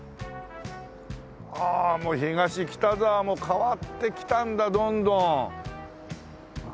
ああもう東北沢も変わってきたんだどんどん。